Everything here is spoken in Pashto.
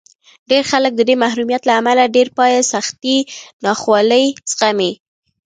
ډېر خلک د دې محرومیت له امله تر پایه سختې ناخوالې زغمي